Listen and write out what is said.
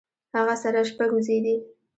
هغۀ سره شپږ وزې دي